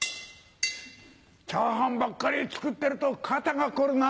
チャーハンばっかり作ってると肩が凝るな。